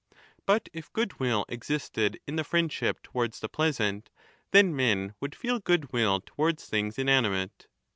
But ^ if goodwill existed in the friendship towards the pleasant, then men would feel goodwill towards things inanimate.